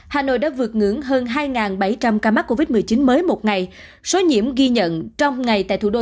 hà nội đã vượt ngưỡng hơn hai bảy trăm linh ca mắc covid một mươi chín mới một ngày số nhiễm ghi nhận trong ngày tại thủ đô